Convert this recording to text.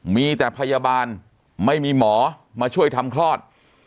มีแต่พยาบาลไม่มีหมอมาช่วยทำคลอด